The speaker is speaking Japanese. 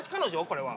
これは。